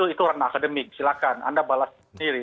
itu renak demik silakan anda balas sendiri